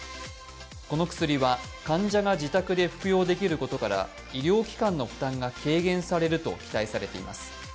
この薬は患者が自宅で服用できることから医療機関の負担が軽減されると期待されています。